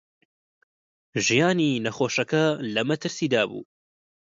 ژیانی نەخۆشەکە لە مەترسیدا بوو.